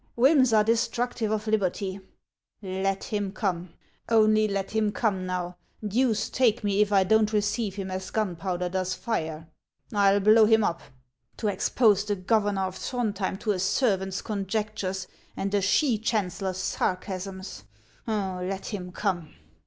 whims are destructive of liberty I Let him come, only let him come now, deuce take me if I don't 124 HANS OF ICELAND. receive him as gunpowder does fire, — I '11 blow him up ! To expose the governor of Tliroudhjem to a servant's conjectures and a she chancellor's sarcasms ! Let him come